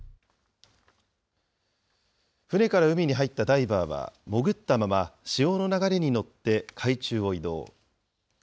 船から海に入ったダイバーは、潜ったまま、潮の流れに乗って海中を移動。